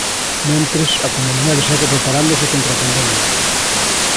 Mentres, a comunidade segue preparándose contra a pandemia.